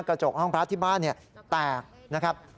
กระจกห้องพระที่บ้านแตกนะครับ